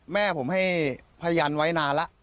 แม่ผมให้พยานไว้นานแล้ว